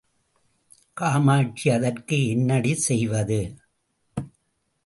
காமாட்சி அதற்கு என்னடி செய்வது?